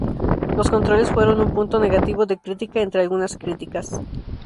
Los controles fueron un punto negativo de crítica entre algunas críticas.